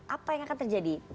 apa yang akan terjadi